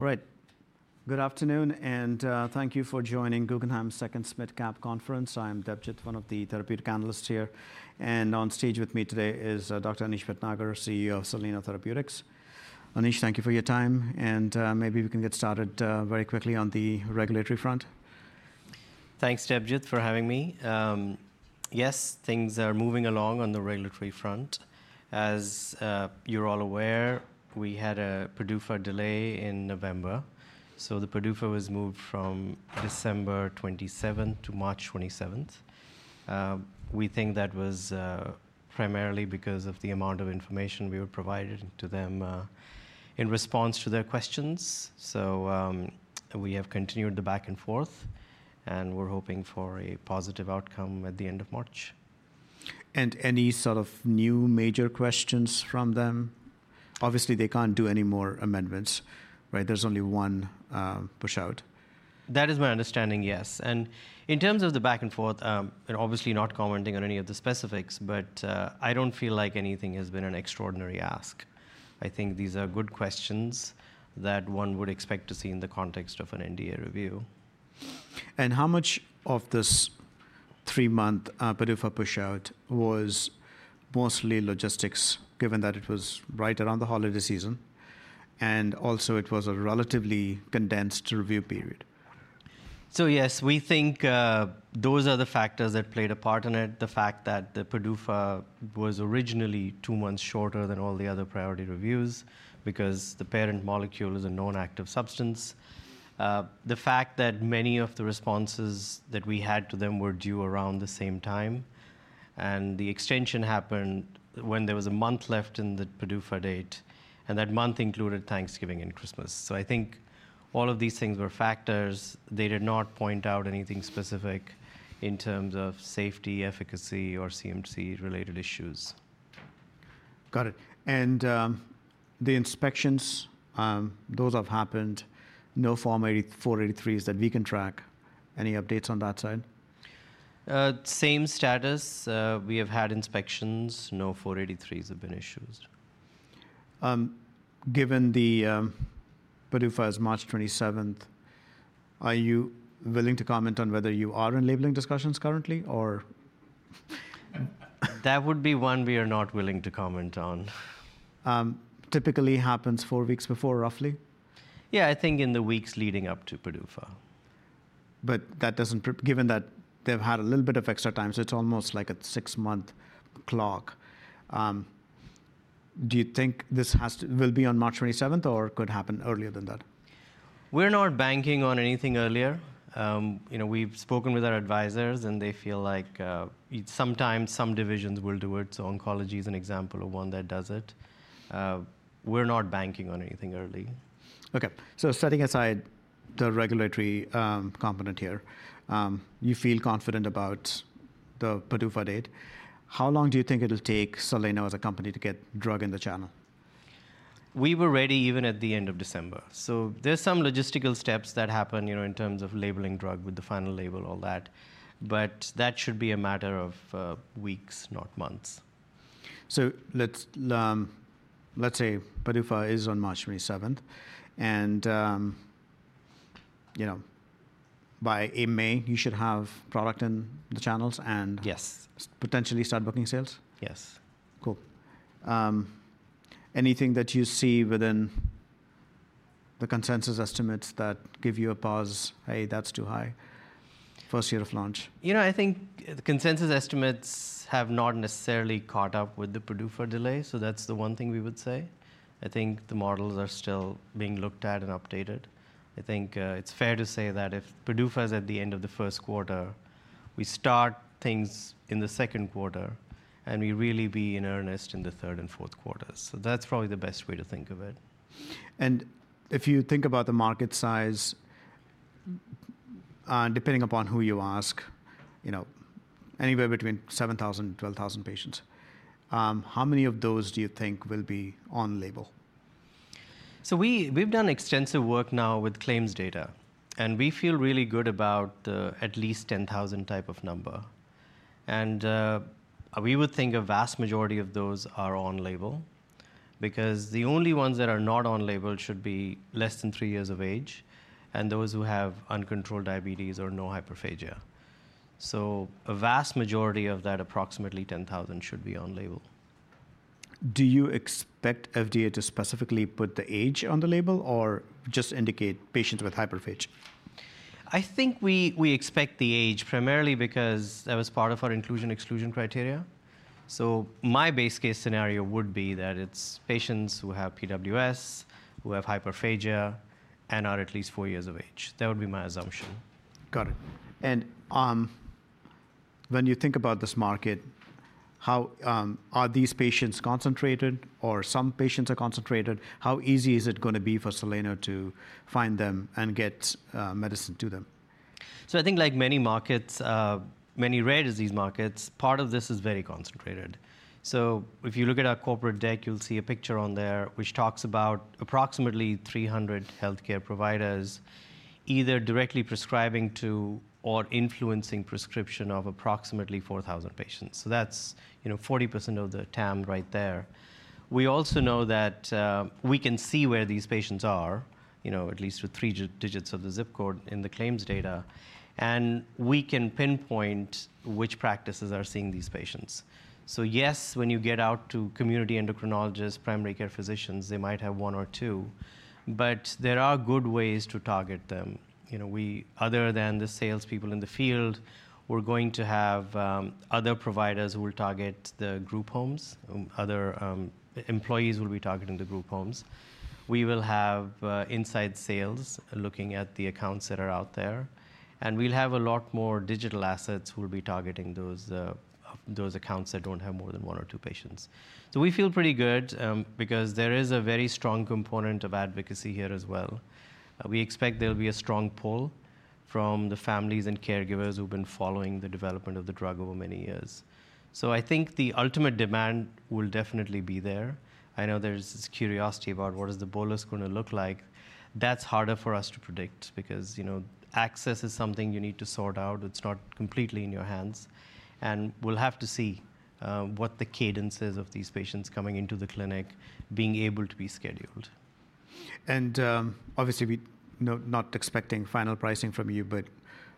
Great. Good afternoon, and thank you for joining Guggenheim's Second SMID Cap Conference. I'm Debjit, one of the therapeutic analysts here. And on stage with me today is Dr. Anish Bhatnagar, CEO of Soleno Therapeutics. Anish, thank you for your time. And maybe we can get started very quickly on the regulatory front. Thanks, Debjit, for having me. Yes, things are moving along on the regulatory front. As you're all aware, we had a PDUFA delay in November. So the PDUFA was moved from December 27 to March 27. We think that was primarily because of the amount of information we were provided to them in response to their questions. So we have continued the back and forth, and we're hoping for a positive outcome at the end of March. Any sort of new major questions from them? Obviously, they can't do any more amendments, right? There's only one push out. That is my understanding, yes. And in terms of the back and forth, obviously not commenting on any of the specifics, but I don't feel like anything has been an extraordinary ask. I think these are good questions that one would expect to see in the context of an NDA review. And how much of this three-month PDUFA push out was mostly logistics, given that it was right around the holiday season? And also, it was a relatively condensed review period. So yes, we think those are the factors that played a part in it, the fact that the PDUFA was originally two months shorter than all the other priority reviews because the parent molecule is a known active substance, the fact that many of the responses that we had to them were due around the same time, and the extension happened when there was a month left in the PDUFA date, and that month included Thanksgiving and Christmas. So I think all of these things were factors. They did not point out anything specific in terms of safety, efficacy, or CMC-related issues. Got it. And the inspections, those have happened. No formal 483s that we can track. Any updates on that side? Same status. We have had inspections. No 483s have been issued. Given the PDUFA as March 27, are you willing to comment on whether you are in labeling discussions currently, or? That would be one we are not willing to comment on. Typically, it happens four weeks before, roughly? Yeah, I think in the weeks leading up to PDUFA. But given that they've had a little bit of extra time, so it's almost like a six-month clock, do you think this will be on March 27, or could happen earlier than that? We're not banking on anything earlier. We've spoken with our advisors, and they feel like sometimes some divisions will do it. So oncology is an example of one that does it. We're not banking on anything early. OK. So setting aside the regulatory component here, you feel confident about the PDUFA date. How long do you think it'll take Soleno as a company to get drug in the channel? We were ready even at the end of December. So there's some logistical steps that happen in terms of labeling drug with the final label, all that. But that should be a matter of weeks, not months. So let's say PDUFA is on March 27, and by May, you should have product in the channels and potentially start booking sales? Yes. Cool. Anything that you see within the consensus estimates that give you a pause, hey, that's too high, first year of launch? You know, I think the consensus estimates have not necessarily caught up with the PDUFA delay. So that's the one thing we would say. I think the models are still being looked at and updated. I think it's fair to say that if PDUFA is at the end of the first quarter, we start things in the second quarter, and we really be in earnest in the third and fourth quarters. So that's probably the best way to think of it. If you think about the market size, depending upon who you ask, anywhere between 7,000-12,000 patients, how many of those do you think will be on label? So we've done extensive work now with claims data. And we feel really good about the at least 10,000 type of number. And we would think a vast majority of those are on label because the only ones that are not on label should be less than three years of age and those who have uncontrolled diabetes or no hyperphagia. So a vast majority of that approximately 10,000 should be on label. Do you expect FDA to specifically put the age on the label, or just indicate patients with hyperphagia? I think we expect the age, primarily because that was part of our inclusion-exclusion criteria. So my base case scenario would be that it's patients who have PWS, who have hyperphagia, and are at least four years of age. That would be my assumption. Got it, and when you think about this market, how are these patients concentrated, or some patients are concentrated, how easy is it going to be for Soleno to find them and get medicine to them? So, I think, like many markets, many rare disease markets, part of this is very concentrated. So, if you look at our corporate deck, you'll see a picture on there, which talks about approximately 300 health care providers either directly prescribing to or influencing prescription of approximately 4,000 patients. So, that's 40% of the TAM right there. We also know that we can see where these patients are, at least with three digits of the zip code in the claims data. And we can pinpoint which practices are seeing these patients. So yes, when you get out to community endocrinologists, primary care physicians, they might have one or two. But there are good ways to target them. Other than the salespeople in the field, we're going to have other providers who will target the group homes. Other employees will be targeting the group homes. We will have inside sales looking at the accounts that are out there. And we'll have a lot more digital assets who will be targeting those accounts that don't have more than one or two patients. So we feel pretty good because there is a very strong component of advocacy here as well. We expect there'll be a strong pull from the families and caregivers who've been following the development of the drug over many years. So I think the ultimate demand will definitely be there. I know there's this curiosity about what is the bolus going to look like. That's harder for us to predict because access is something you need to sort out. It's not completely in your hands. And we'll have to see what the cadence is of these patients coming into the clinic, being able to be scheduled. Obviously, we're not expecting final pricing from you, but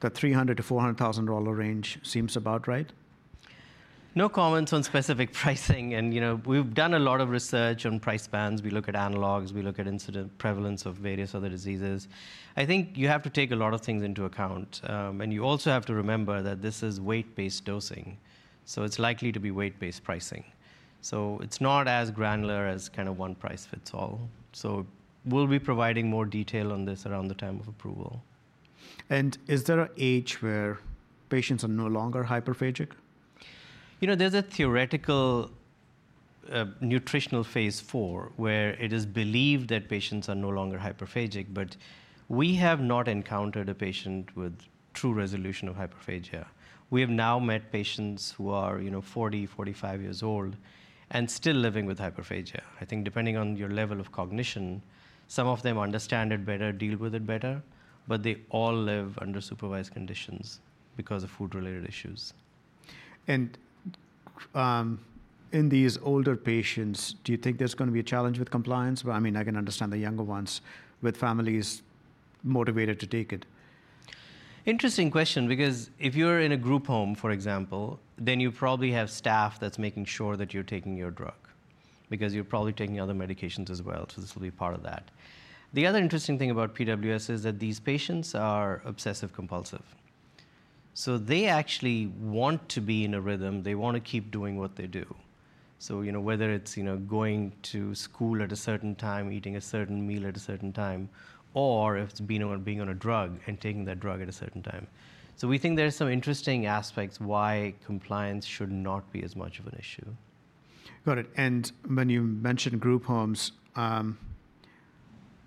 the $300,000-$400,000 range seems about right? No comments on specific pricing. And we've done a lot of research on price bands. We look at analogs. We look at incidence prevalence of various other diseases. I think you have to take a lot of things into account. And you also have to remember that this is weight-based dosing. So it's likely to be weight-based pricing. So it's not as granular as kind of one price fits all. So we'll be providing more detail on this around the time of approval. Is there an age where patients are no longer hyperphagic? You know, there's a theoretical nutritional phase IV where it is believed that patients are no longer hyperphagic. But we have not encountered a patient with true resolution of hyperphagia. We have now met patients who are 40, 45 years old and still living with hyperphagia. I think depending on your level of cognition, some of them understand it better, deal with it better. But they all live under supervised conditions because of food-related issues. In these older patients, do you think there's going to be a challenge with compliance? I mean, I can understand the younger ones with families motivated to take it. Interesting question because if you're in a group home, for example, then you probably have staff that's making sure that you're taking your drug because you're probably taking other medications as well. So this will be part of that. The other interesting thing about PWS is that these patients are obsessive-compulsive. So they actually want to be in a rhythm. They want to keep doing what they do. So whether it's going to school at a certain time, eating a certain meal at a certain time, or if it's being on a drug and taking that drug at a certain time. So we think there are some interesting aspects why compliance should not be as much of an issue. Got it. And when you mentioned group homes,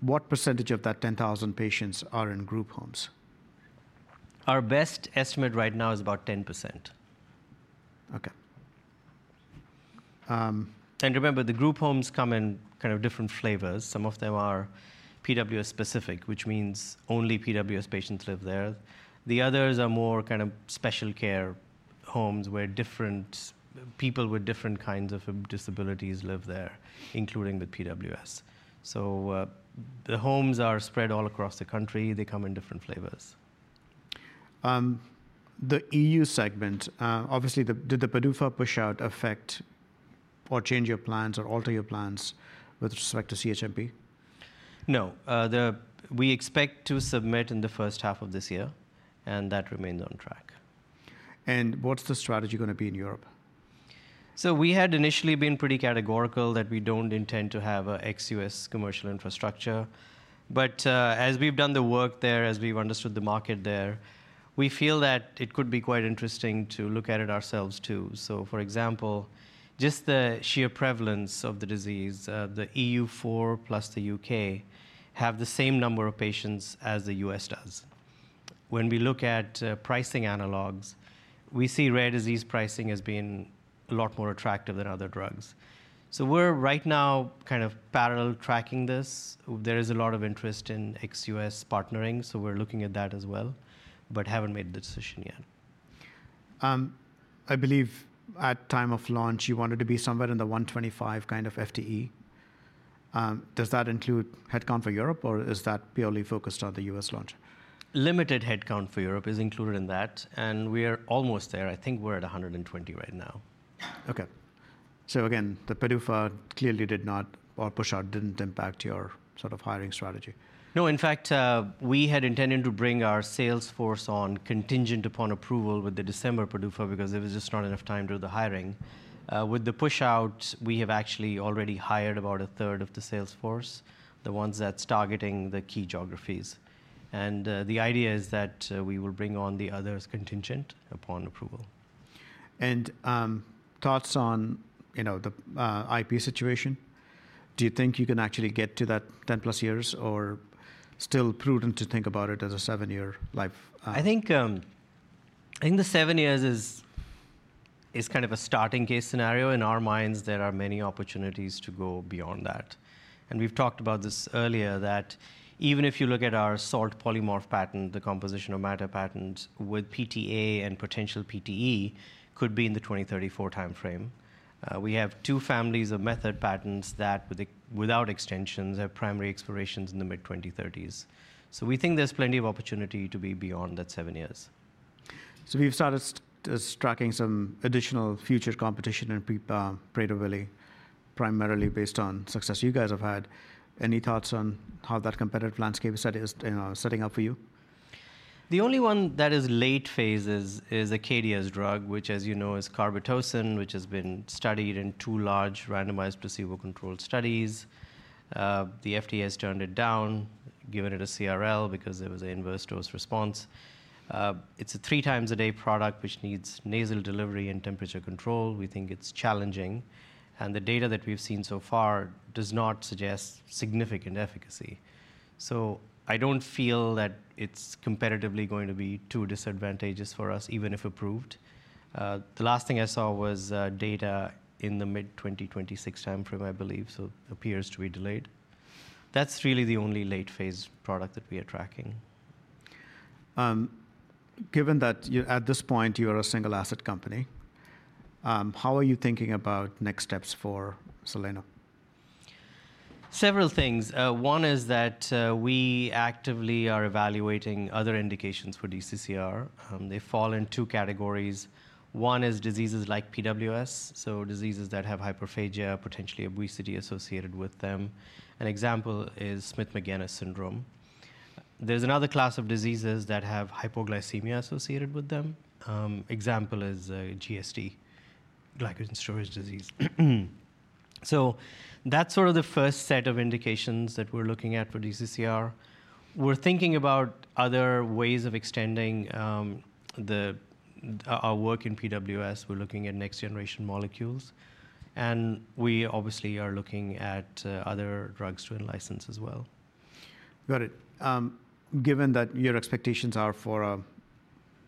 what percentage of that 10,000 patients are in group homes? Our best estimate right now is about 10%. Okay. Remember, the group homes come in kind of different flavors. Some of them are PWS-specific, which means only PWS patients live there. The others are more kind of special care homes where different people with different kinds of disabilities live there, including the PWS. So the homes are spread all across the country. They come in different flavors. The EU segment, obviously, did the PDUFA push out affect or change your plans or alter your plans with respect to CHMP? No. We expect to submit in the first half of this year, and that remains on track. What's the strategy going to be in Europe? So we had initially been pretty categorical that we don't intend to have an ex-U.S. commercial infrastructure. But as we've done the work there, as we've understood the market there, we feel that it could be quite interesting to look at it ourselves, too. So for example, just the sheer prevalence of the disease, the EU4 plus the U.K. have the same number of patients as the U.S. does. When we look at pricing analogs, we see rare disease pricing as being a lot more attractive than other drugs. So we're right now kind of parallel tracking this. There is a lot of interest in ex-U.S. partnering. So we're looking at that as well but haven't made the decision yet. I believe at time of launch, you wanted to be somewhere in the 125 kind of FTE. Does that include headcount for Europe, or is that purely focused on the U.S. launch? Limited headcount for Europe is included in that, and we are almost there. I think we're at 120 right now. Okay. So again, the PDUFA clearly did not push out, didn't impact your sort of hiring strategy. No. In fact, we had intended to bring our sales force on contingent upon approval with the December PDUFA because there was just not enough time to do the hiring. With the push out, we have actually already hired about a third of the sales force, the ones that's targeting the key geographies. And the idea is that we will bring on the others contingent upon approval. Thoughts on the IP situation? Do you think you can actually get to that 10-plus years, or still prudent to think about it as a seven-year life? I think the seven years is kind of a starting case scenario. In our minds, there are many opportunities to go beyond that, and we've talked about this earlier, that even if you look at our salt polymorph patent, the composition of matter patents, with PTA and potential PTE could be in the 2034 time frame. We have two families of method patents that, without extensions, have primary expirations in the mid-2030s, so we think there's plenty of opportunity to be beyond that seven years. So we've started tracking some additional future competition in Prader-Willi, primarily based on success you guys have had. Any thoughts on how that competitive landscape is setting up for you? The only one that is late-phase is Acadia's drug, which, as you know, is carbetocin, which has been studied in two large randomized placebo-controlled studies. The FDA has turned it down, given it a CRL because there was an inverse dose response. It's a three-times-a-day product, which needs nasal delivery and temperature control. We think it's challenging. And the data that we've seen so far does not suggest significant efficacy. So I don't feel that it's competitively going to be too disadvantageous for us, even if approved. The last thing I saw was data in the mid-2026 time frame, I believe. So it appears to be delayed. That's really the only late-phase product that we are tracking. Given that at this point, you are a single-asset company, how are you thinking about next steps for Soleno? Several things. One is that we actively are evaluating other indications for DCCR. They fall in two categories. One is diseases like PWS, so diseases that have hyperphagia, potentially obesity associated with them. An example is Smith-Magenis syndrome. There's another class of diseases that have hypoglycemia associated with them. Example is GSD, glycogen storage disease. So that's sort of the first set of indications that we're looking at for DCCR. We're thinking about other ways of extending our work in PWS. We're looking at next-generation molecules, and we obviously are looking at other drugs to in-license as well. Got it. Given that your expectations are for a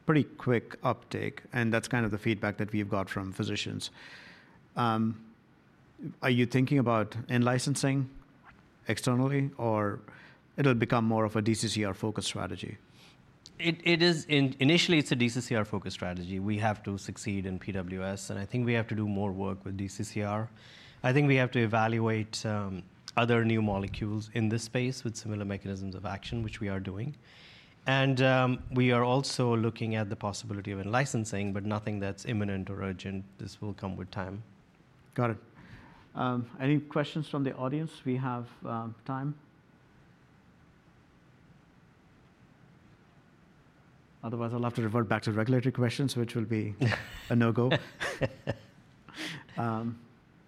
pretty quick uptake, and that's kind of the feedback that we've got from physicians, are you thinking about in-licensing externally, or it'll become more of a DCCR-focused strategy? Initially, it's a DCCR-focused strategy. We have to succeed in PWS. And I think we have to do more work with DCCR. I think we have to evaluate other new molecules in this space with similar mechanisms of action, which we are doing. And we are also looking at the possibility of in-licensing, but nothing that's imminent or urgent. This will come with time. Got it. Any questions from the audience? We have time. Otherwise, I'll have to revert back to regulatory questions, which will be a no-go.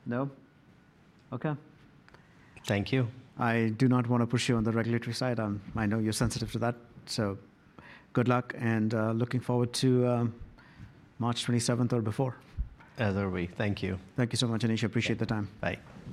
No? Okay. Thank you. I do not want to push you on the regulatory side. I know you're sensitive to that. So good luck. And looking forward to March 27 or before. As are we. Thank you. Thank you so much, Anish. Appreciate the time. Bye.